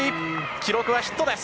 記録はヒットです。